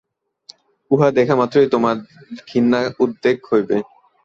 উহা দেখা মাত্রই তোমার ঘৃণার উদ্রেক হইবে।